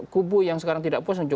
kubu yang sekarang tidak puas